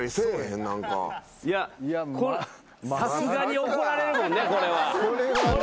さすがに怒られるもんね